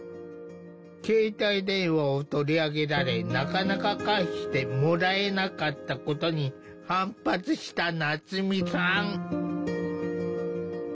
携帯電話を取り上げられなかなか返してもらえなかったことに反発した夏実さん。